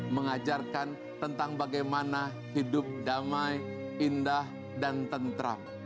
mengajarkan tentang bagaimana hidup damai indah dan tentram